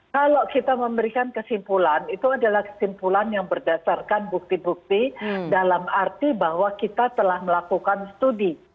kalau kita memberikan kesimpulan itu adalah kesimpulan yang berdasarkan bukti bukti dalam arti bahwa kita telah melakukan studi